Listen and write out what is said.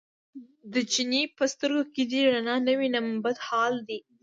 د چیني په سترګو کې دې رڼا نه وینم بد حال دی.